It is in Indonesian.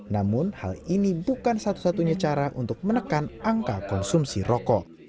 namun hal ini bukan satu satunya cara untuk menekan angka konsumsi rokok